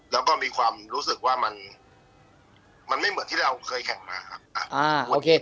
แล้วก็มีความรู้สึกว่ามันไม่เหมือนที่เราเคยแข่งมาครับ